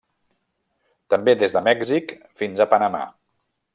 També des de Mèxic fins a Panamà.